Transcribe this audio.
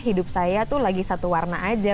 hidup saya tuh lagi satu warna aja